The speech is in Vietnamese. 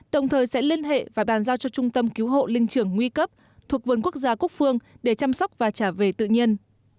đồng thời sẽ liên hệ và bàn giao cho trung tâm cứu hộ linh trưởng nguy cấp thuộc vườn quốc gia cúc phương để chăm sóc và trả về tự nhiên